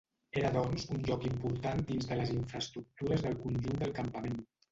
Era doncs, un lloc important dins de les infraestructures del conjunt del campament.